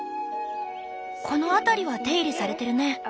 この辺りは手入れされてるね。